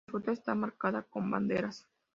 La ruta está marcada con banderas.